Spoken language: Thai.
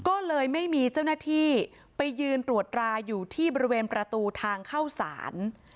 ก็เลยไม่มีเจ้าหน้าที่ไปยืนตรวจราอยู่ที่บริเวณประตูทางเข้าศาล